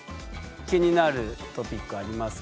気になるトピックありますか？